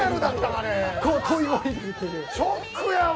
ショックやわ！